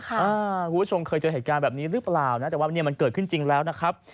คุณผู้ชมเคยเจอเหตุการณ์แบบนี้หรือเปล่านะแต่ว่าเนี่ยมันเกิดขึ้นจริงแล้วนะครับ